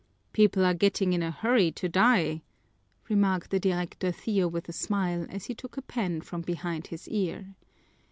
"People are getting in a hurry to die," remarked the directorcillo with a smile, as he took a pen from behind his ear.